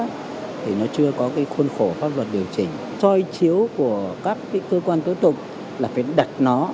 thì nó chưa có khuôn khổ pháp luật điều chỉnh toi chiếu của các cơ quan tối tục là phải đặt nó